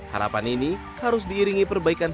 harapan ini harus diiringi perbaikan